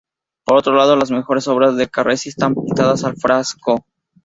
Por otro lado, las mejores obras de Carracci están pintadas al fresco.